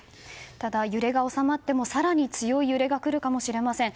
ただ、揺れが収まってもかなり強い揺れが来るかもしれません。